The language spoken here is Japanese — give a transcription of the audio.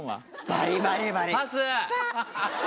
バリバリバリパ。